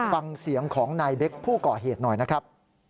ฟังเสียงของนายเบคผู้ก่อเหตุหน่อยนะครับ